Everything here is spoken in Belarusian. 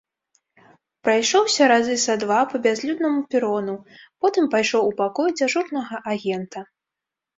Прайшоўся разы са два па бязлюднаму перону, потым пайшоў у пакой дзяжурнага агента.